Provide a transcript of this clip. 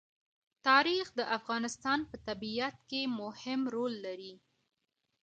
تاریخ د افغانستان په طبیعت کې مهم رول لري.